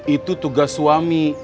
itu tugas suami